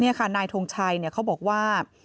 นี่ค่ะนายทงชัยเขาบอกว่า